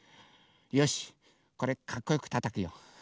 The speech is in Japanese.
よしこれかっこよくたたくよ。